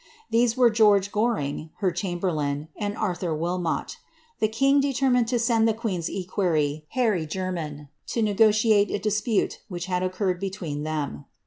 These were George Goring, her chamberlain, and Arthur Wilmot; the king determined to send the queen's equerry, Harry Jermyn, to negotiate* a dispute which had occurred between them.